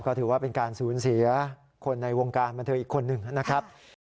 ก็ถือว่าเป็นการสูญเสียคนในวงการบันเทิงอีกคนหนึ่งนะครับ